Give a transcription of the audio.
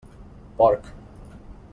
Porc!